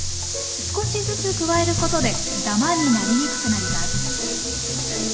少しずつ加えることでダマになりにくくなります。